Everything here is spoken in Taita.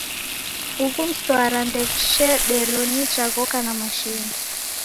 Ughu msara ndighushedero nicha ghoka na mashindi.